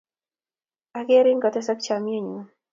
Akerin kotesak chomye nyun.